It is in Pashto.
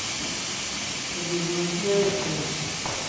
خو بې همتي عیب دی.